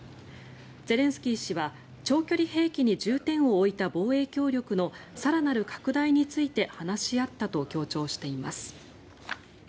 ゼレンスキー氏は長距離兵器に重点を置いた防衛協力の更なる拡大について話し合ったと強調しています。